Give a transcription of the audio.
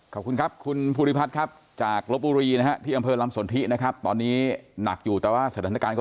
ขอบคุณครับคุณภูริพัฒน์ครับจากลบบุรีนะฮะที่อำเภอลำสนทินะครับตอนนี้หนักอยู่แต่ว่าสถานการณ์ก็